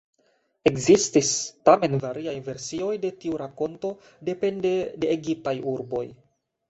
Ekzistis tamen variaj versioj de tiu rakonto depende de egiptaj urboj.